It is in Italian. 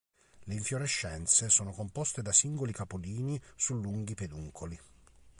Le infiorescenze sono composte da singoli capolini su lunghi peduncoli.